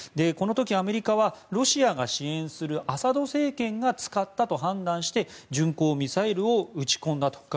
この時、アメリカはロシアが支援するアサド政権が使ったと判断して巡航ミサイルを撃ち込んだと。